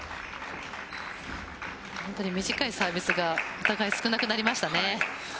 本当に短いサービスがお互い少なくなりましたね。